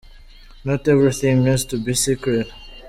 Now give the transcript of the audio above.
Not everything needs to be secret.